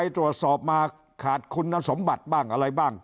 ตรวจสอบมาขาดคุณสมบัติบ้างอะไรบ้าง